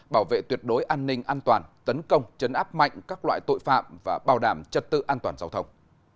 bảo vệ tuyệt đối an ninh an toàn tấn công chấn áp mạnh các loại tội phạm và bảo đảm trật tự an toàn giao thông